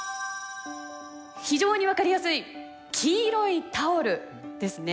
非常に分かりやすい黄色いタオルですね。